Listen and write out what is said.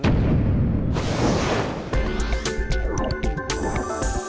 โปรดติดตามตอนต่อไป